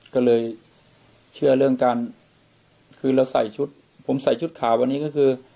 ก็เลยเชื่อเรื่องการคือเราใส่ชุดผมใส่ชุดขาววันนี้ก็คือ